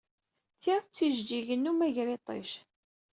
Ti d tijejjigin n umagriṭij.